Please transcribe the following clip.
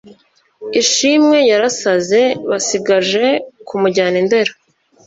ishimwe yarasaze basigaje ku mujyana indera